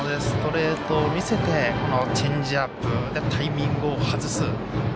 ストレートを見せてチェンジアップでタイミングを外す。